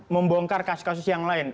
membongkar kasus kasus yang lain